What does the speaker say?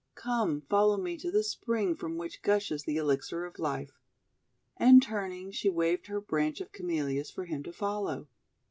"Come, follow me to the spring from which gushes the Elixir of Life." And turning, she waved her branch of Camel lias for him to follow.